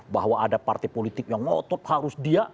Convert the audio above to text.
bahwa ada partai politik yang ngotot harus dia